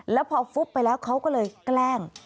แล้วพอฟุบไปแล้วเขาก็เลยแกล้ง